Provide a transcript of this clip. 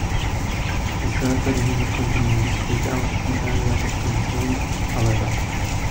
He said that he would continue to speak out on areas of concern, however.